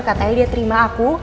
katanya dia terima aku